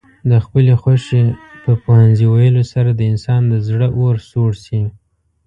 د خپلې خوښې په پوهنځي ويلو سره د انسان د زړه اور سوړ شي.